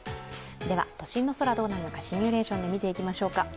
では、都心の空、どうなるのかシミュレーションで見ていきましょうか。